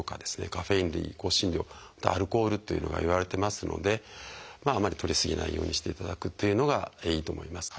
カフェイン類香辛料アルコールというのがいわれてますのであまりとり過ぎないようにしていただくというのがいいと思います。